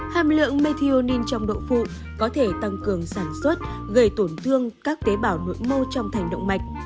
hàm lượng methionine trong đậu phụ có thể tăng cường sản xuất gây tổn thương các tế bảo nội mô trong thành động mạch